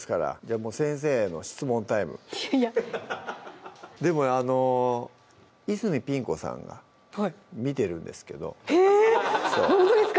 もう先生への質問タイムいやいやでもあの泉ピン子さんが見てるんですけどへぇほんとですか！